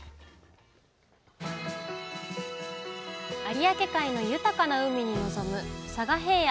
有明海の豊かな海に臨む佐賀平野。